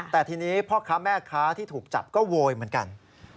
แต่ทีนี้พ่อค้าแม่ค้าที่ถูกจับก็โวยเหมือนกัน